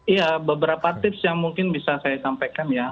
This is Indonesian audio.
ya beberapa tips yang mungkin bisa saya sampaikan ya